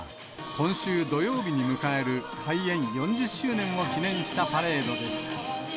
今週土曜日に迎える開園４０周年を記念したパレードです。